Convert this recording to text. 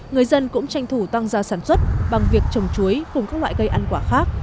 người dân cũng tranh thủ tăng gia sản xuất bằng việc trồng chuối cùng các loại cây ăn quả khác